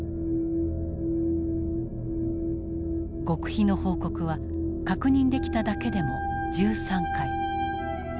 極秘の報告は確認できただけでも１３回。